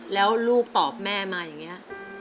แล้วลูกตอบแม่มาอย่างนี้